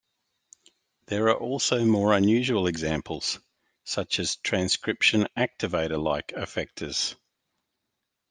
There are also more unusual examples such as transcription activator like effectors.